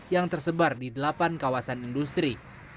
yang tersebar di delapan kawasan industri